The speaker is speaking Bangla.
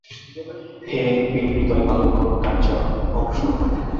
হে বীরহৃদয় বালকগণ, কার্যে অগ্রসর হও।